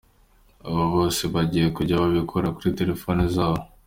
Abo bose bagiye kujya babikorera kuri telefoni zabo.